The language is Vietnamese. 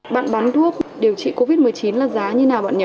bạn bán thuốc điều trị covid một mươi chín là giá như thế nào bạn nhỉ